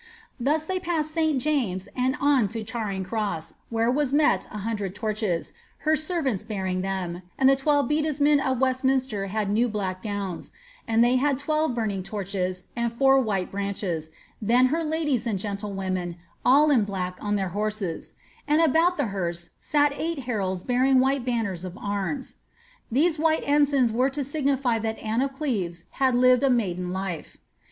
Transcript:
Thus they passed St. James and on to Charing Cross, where was met a hundred torches, her servants bearing them, and the twelve bedesmen of Westminster had new black gowns, and they had twelve burning torches and four white bianches, then her ladies and gentlewomen, all in black, on their horses ; aud about the herse sat eight heralds bearing white banners of arms.^ These white ensigns were to signify that Anne of Cleves had lived t maiden life.